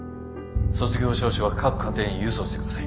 卒業証書は各家庭に郵送してください。